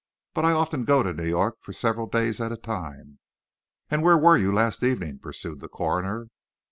But I often go to New York for several days at a time." "And where were you last evening?" pursued the coroner.